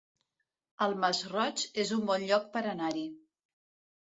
El Masroig es un bon lloc per anar-hi